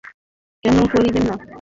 কেন করিবেন না।